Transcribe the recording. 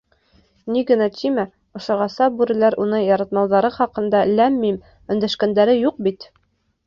Ни генә тимә, ошоғаса бүреләр уны яратмауҙары хаҡында ләм-мим өндәшкәндәре юҡ бит.